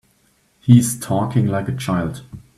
He's talking like a child.